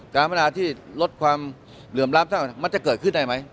กรรมนาที่ลดความเหลื่อมรามสร้างมันจะเกิดขึ้นได้ไหม